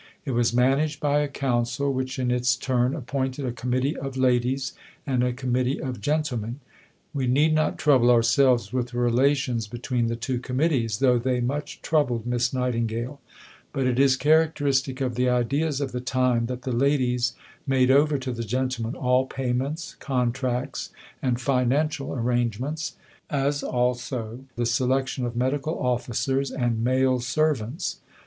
It was managed by a Council, which in its turn appointed a "Committee of Ladies" and a "Committee of Gentlemen." We need not trouble ourselves with the relations between the two committees, though they much troubled Miss Nightingale; but it is characteristic of the ideas of the time that the ladies made over to the gentlemen "all payments, contracts, and financial arrangements," as also "the selection of medical officers and male servants."